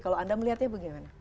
kalau anda melihatnya bagaimana